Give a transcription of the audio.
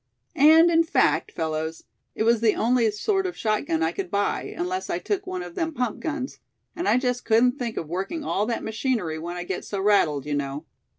And in fact, fellows, it was the only sort of shotgun I could buy, unless I took one of them pump guns; and I just couldn't think of working all that machinery when I get so rattled, you know."